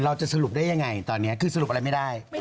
เราจะสรุปได้ยังไงตอนนี้คือสรุปอะไรไม่ได้